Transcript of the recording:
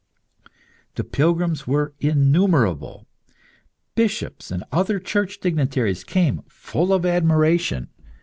The pilgrims were innumerable. Bishops and other Church dignitaries, came, full of admiration.